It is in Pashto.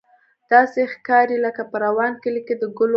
داسې ښکاري لکه په وران کلي کې د ګلو باغ.